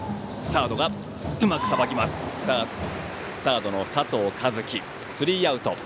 サードの佐藤和樹がさばいてスリーアウト。